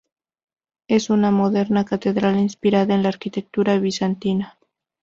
Es una moderna catedral inspirada en la arquitectura bizantina.